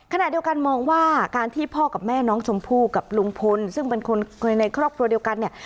ขณะเดียวกันมองว่าการที่พ่อกับแม่น้องชมพู่กับลุงพลซึ่งเป็นคนในครอบครัวเดียวกันเนี่ย